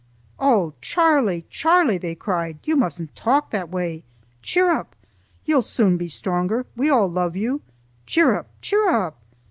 "Oh, Charlie! Charlie!" they cried, "you mustn't talk that way. Cheer up! You will soon be stronger. We all love you. Cheer up! Cheer up!